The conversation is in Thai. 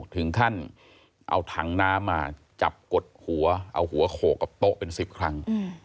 ถึงขั้นเอาถังน้ำมาจับกดหัวเอาหัวโขกกับโต๊ะเป็น๑๐ครั้ง